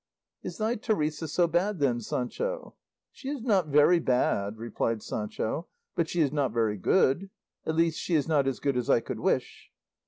'" "Is thy Teresa so bad then, Sancho?" "She is not very bad," replied Sancho; "but she is not very good; at least she is not as good as I could wish."